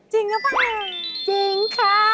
จริงหรือเปล่าจริงค่ะ